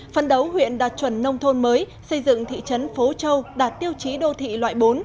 phân đấu huyện đạt chuẩn nông thôn mới xây dựng thị trấn phố châu đạt tiêu chí đô thị loại bốn